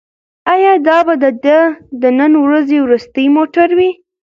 ایا دا به د ده د نن ورځې وروستی موټر وي؟